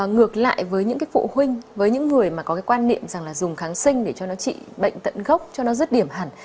ngược lại với những cái phụ huynh với những người mà có cái quan niệm rằng là dùng kháng sinh để cho nó trị bệnh tận gốc cho nó rất điểm hẳn